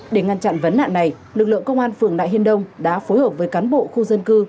để ngăn chặn vấn nạn này lực lượng công an phường nại hiên đông đã phối hợp với cán bộ khu dân cư